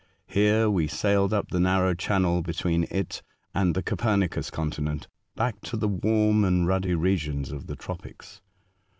Here we sailed up the narrow channel between it and the Copernicus continent back to the warm a.nd ruddy regions of the tropics.